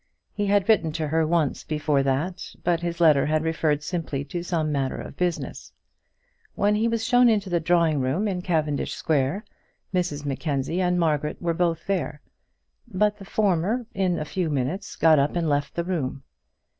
He had written to her once before that, but his letter had referred simply to some matter of business. When he was shown into the drawing room in Cavendish Square, Mrs Mackenzie and Margaret were both there, but the former in a few minutes got up and left the room.